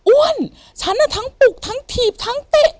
ฉันทั้งปลุกทั้งถีบทั้งเตะ